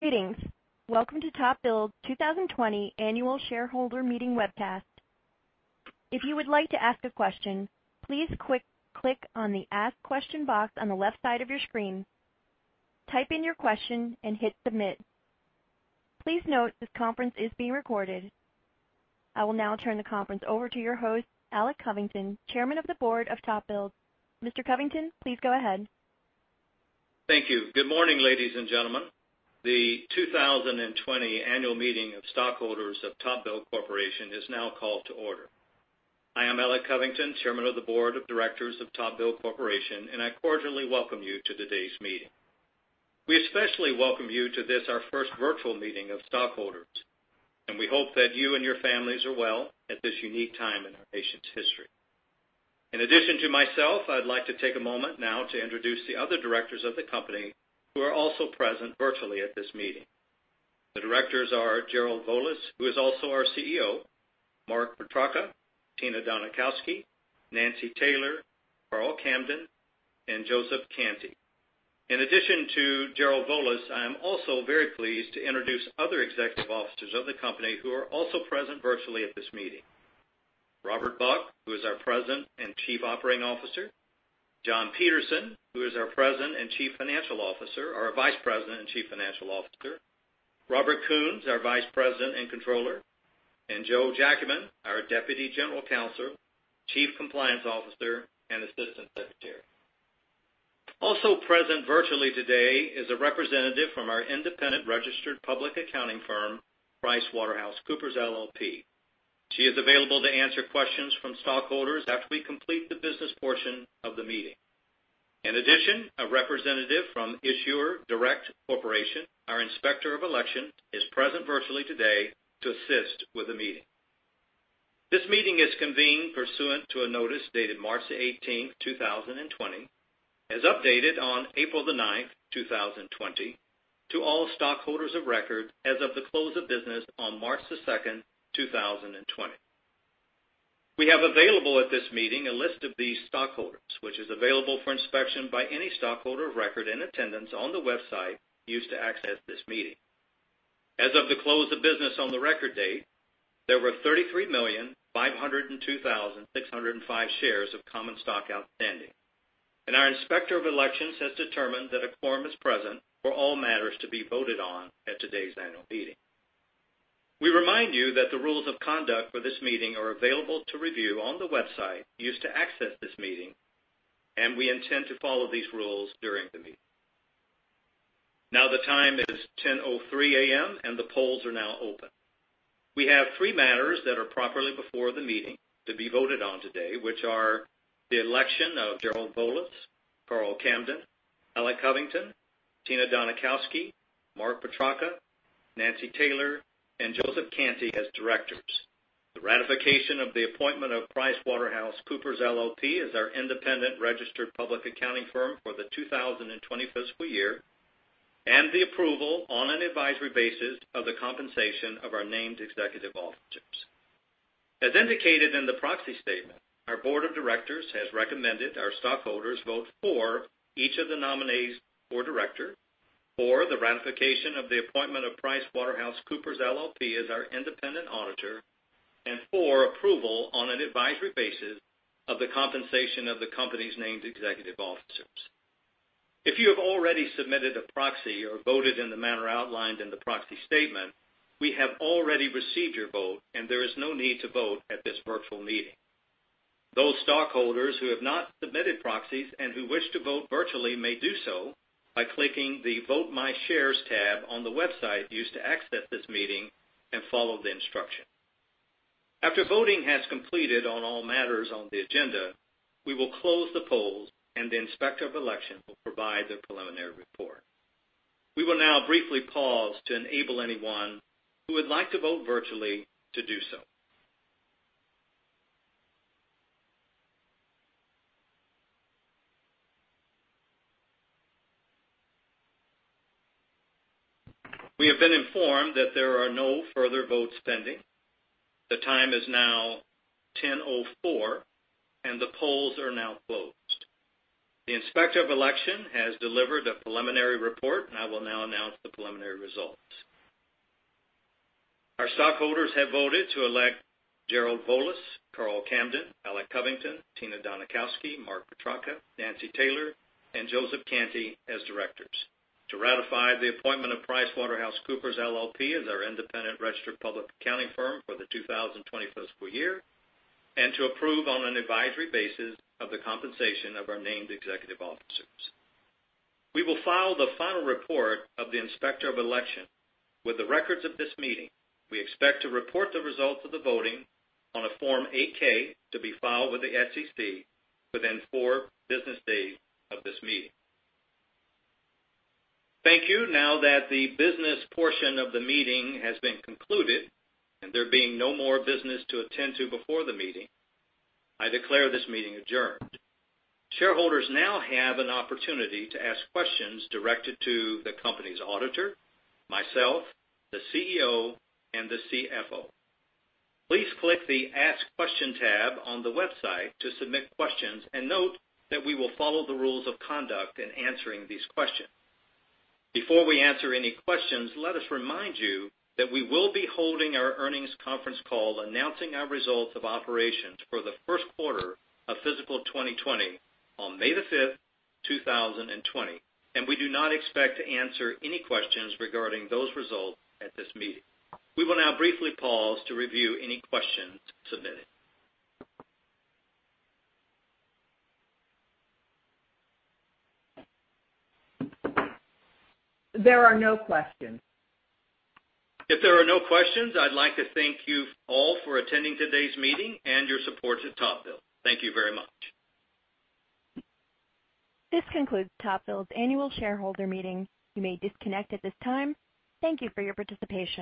Greetings! Welcome to TopBuild's 2020 Annual Shareholder Meeting webcast. If you would like to ask a question, please click on the Ask Question box on the left side of your screen, type in your question, and hit Submit. Please note, this conference is being recorded. I will now turn the conference over to your host, Alec Covington, Chairman of the Board of TopBuild. Mr. Covington, please go ahead. Thank you. Good morning, ladies and gentlemen. The 2020 annual meeting of stockholders of TopBuild Corp. is now called to order. I am Alec Covington, Chairman of the Board of Directors of TopBuild Corp., and I cordially welcome you to today's meeting. We especially welcome you to this, our first virtual meeting of stockholders, and we hope that you and your families are well at this unique time in our nation's history. In addition to myself, I'd like to take a moment now to introduce the other directors of the company, who are also present virtually at this meeting. The directors are Jerry Volace, who is also our CEO, Mark Petrarca, Tina Donikowski, Nancy Taylor, Carl Camden, and Joseph Cantie. In addition to Jerry Volace, I am also very pleased to introduce other executive officers of the company, who are also present virtually at this meeting. Robert Buck, who is our President and Chief Operating Officer, John Peterson, who is our President and Chief Financial Officer, or Vice President and Chief Financial Officer, Rob Kuhns, our Vice President and Controller, and Paul Joachimczyk, our Deputy General Counsel, Chief Compliance Officer, and Assistant Secretary. Also present virtually today is a representative from our independent registered public accounting firm, PricewaterhouseCoopers LLP. She is available to answer questions from stockholders after we complete the business portion of the meeting. In addition, a representative from Issuer Direct Corporation, our Inspector of Election, is present virtually today to assist with the meeting. This meeting is convened pursuant to a notice dated March 18, 2020, as updated on April 9, 2020, to all stockholders of record as of the close of business on March 2, 2020. We have available at this meeting a list of these stockholders, which is available for inspection by any stockholder of record in attendance on the website used to access this meeting. As of the close of business on the record date, there were 33,502,605 shares of common stock outstanding. Our Inspector of Election has determined that a quorum is present for all matters to be voted on at today's annual meeting. We remind you that the rules of conduct for this meeting are available to review on the website used to access this meeting, we intend to follow these rules during the meeting. Now, the time is 10:03 A.M., the polls are now open. We have three matters that are properly before the meeting to be voted on today, which are the election of Jerry Volace, Carl Camden, Alec Covington, Tina Donikowski, Mark Petrarca, Nancy Taylor, and Joseph Cantie as directors, the ratification of the appointment of PricewaterhouseCoopers LLP, as our independent registered public accounting firm for the 2020 fiscal year, and the approval on an advisory basis of the compensation of our named executive officers. As indicated in the proxy statement, our board of directors has recommended our stockholders vote for each of the nominees for director, for the ratification of the appointment of PricewaterhouseCoopers LLP, as our independent auditor, and for approval on an advisory basis of the compensation of the company's named executive officers. If you have already submitted a proxy or voted in the manner outlined in the proxy statement, we have already received your vote, and there is no need to vote at this virtual meeting. Those stockholders who have not submitted proxies and who wish to vote virtually may do so by clicking the Vote My Shares tab on the website used to access this meeting and follow the instructions. After voting has completed on all matters on the agenda, we will close the polls, and the Inspector of Election will provide the preliminary report. We will now briefly pause to enable anyone who would like to vote virtually to do so. We have been informed that there are no further votes pending. The time is now 10:04 A.M., and the polls are now closed. The Inspector of Election has delivered a preliminary report, and I will now announce the preliminary results. Our stockholders have voted to elect Jerry Volace, Carl Camden, Alec Covington, Tina Donikowski, Mark Petrarca, Nancy Taylor, and Joseph Cantie as directors, to ratify the appointment of PricewaterhouseCoopers LLP, as our independent registered public accounting firm for the 2020 fiscal year, and to approve on an advisory basis of the compensation of our named executive officers. We will file the final report of the Inspector of Election with the records of this meeting. We expect to report the results of the voting on a Form 8-K to be filed with the SEC within 4 business days of this meeting. Thank you. Now that the business portion of the meeting has been concluded and there being no more business to attend to before the meeting, I declare this meeting adjourned. Shareholders now have an opportunity to ask questions directed to the company's auditor, myself, the CEO, and the CFO. Please click the Ask Question tab on the website to submit questions. Note that we will follow the rules of conduct in answering these questions. Before we answer any questions, let us remind you that we will be holding our earnings conference call announcing our results of operations for the first quarter of fiscal 2020 on May the 5th, 2020, and we do not expect to answer any questions regarding those results at this meeting. We will now briefly pause to review any questions submitted. There are no questions. If there are no questions, I'd like to thank you all for attending today's meeting and your support to TopBuild. Thank you very much. This concludes TopBuild's Annual Shareholder Meeting. You may disconnect at this time. Thank you for your participation.